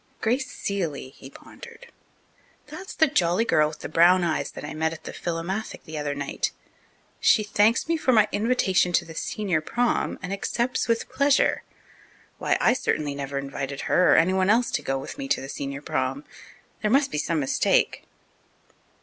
"Grace Seeley," he pondered. "That's the jolly girl with the brown eyes that I met at the philomathic the other night. She thanks me for my invitation to the senior prom, and accepts with pleasure. Why, I certainly never invited her or anyone else to go with me to the senior prom. There must be some mistake."